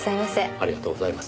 ありがとうございます。